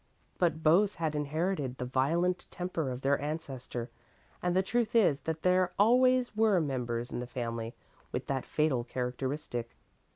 But both had inherited the violent temper of their ancestor, and the truth is that there always were members in the family with that fatal characteristic.